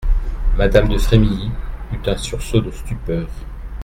Madame de Frémilly eut un sursaut de stupeur.